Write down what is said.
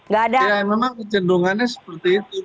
ya memang kecenderungannya seperti itu